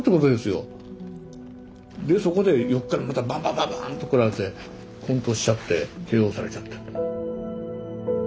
でそこで横からまたバンバンバンバンとこられてこん倒しちゃってＫＯされちゃった。